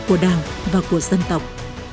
của đảng và của dân tộc